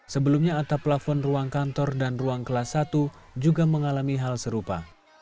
sebelumnya atap plafon ruang kantor dan ruang kelas satu juga mengalami hal serupa